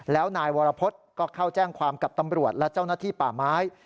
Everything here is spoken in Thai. แล้วนายวรพฤษก็เข้าแจ้งความกับตำรวจและเจ้าหน้าที่ป่าไม้